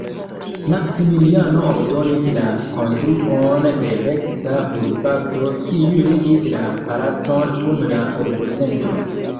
Maksimiliano ordonis la konstruon de rekta bulvardo, kiu ligis la palacon kun la urbocentro.